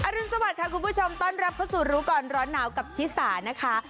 รุนสวัสดิค่ะคุณผู้ชมต้อนรับเข้าสู่รู้ก่อนร้อนหนาวกับชิสานะคะ